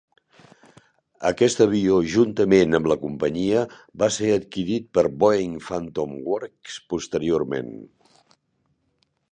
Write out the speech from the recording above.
Aquest avió, juntament amb la companyia, va ser adquirit per Boeing Phantom Works posteriorment.